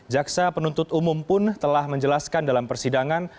jaksa penuntut umum pun telah menjelaskan dalam persidangan